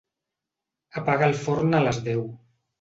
Apaga el forn a les deu.